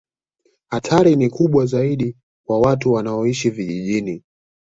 Hatari ni kubwa zaidi kwa watu wanaoishi vijijini